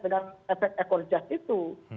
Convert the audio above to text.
dengan efek ekor jas itu